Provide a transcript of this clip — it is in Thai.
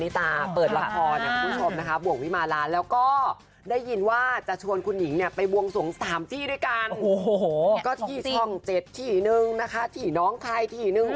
๓ที่ด้วยกันก็ที่ช่องเจ็ดที่นึงนะคะที่น้องไทยที่นึง